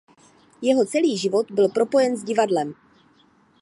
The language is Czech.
Jeho celý život byl propojen s divadlem.